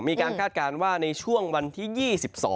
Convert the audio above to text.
คาดการณ์ว่าในช่วงวันที่๒๒